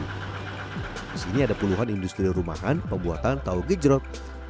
disini ada puluhan industri rumahan pembuatan tahu genjerot